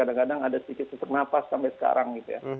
kadang kadang ada sedikit sesak nafas sampai sekarang gitu ya